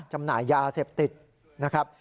จำหน่ายยาเสพติดนะครับ